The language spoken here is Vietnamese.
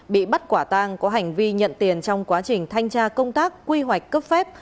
bị bắt quả tang có hành vi nhận tiền trong quá trình thanh tra công tác quy hoạch cấp phép